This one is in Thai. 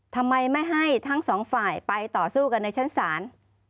ทำไมไม่ให้ทั้งสองฝ่ายไปต่อสู้กันในชั้นศาล